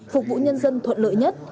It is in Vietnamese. phục vụ nhân dân thuận lợi nhất